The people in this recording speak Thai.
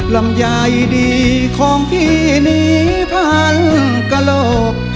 ลำใหญ่ดีของพี่นี้พันกะโลก